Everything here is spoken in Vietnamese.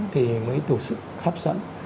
thì mới đủ sức hấp dẫn